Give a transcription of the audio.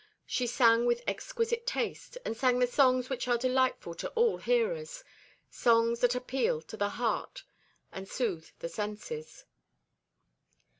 She sang with exquisite taste, and sang the songs which are delightful to all hearers songs that appeal to the heart and soothe the senses.